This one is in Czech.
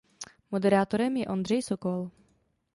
Moderátorem je Ondřej Sokol.